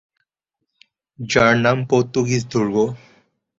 যার নাম পর্তুগীজ দুর্গ।